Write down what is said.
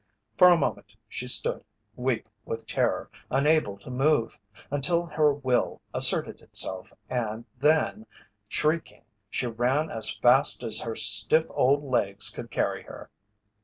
For a moment she stood, weak with terror, unable to move, until her will asserted itself and then, shrieking, she ran as fast as her stiff old legs could carry her.